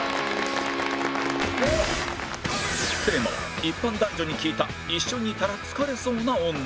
テーマは一般男女に聞いた一緒にいたら疲れそうな女